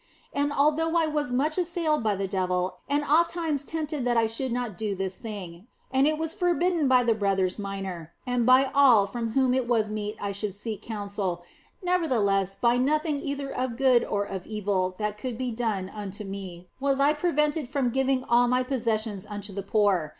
And although I was much assailed by the devil and ofttimes tempted that I should not do this thing, and was forbidden by the Brothers Minor and by all from whom it was meet I should seek counsel, nevertheless by nothing either of good or of evil that could be done unto me was I prevented from giving all my possessions unto the poor.